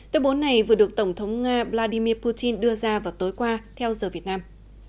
tuyên bố này vừa được tổng thống nga vladimir putin đưa ra vào tối qua theo giờ việt nam